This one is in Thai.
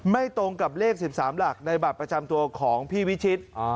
ตรงกับเลข๑๓หลักในบัตรประจำตัวของพี่วิชิต